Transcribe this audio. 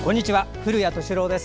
古谷敏郎です。